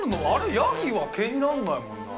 やぎは毛になんないもんな。